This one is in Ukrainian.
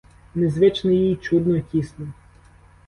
Незвично їй, чудно, тісно.